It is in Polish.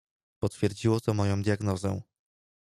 "Potwierdziło to moją diagnozę."